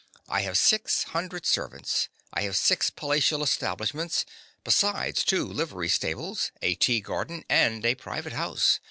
I have six hundred servants. I have six palatial establishments, besides two livery stables, a tea garden and a private house.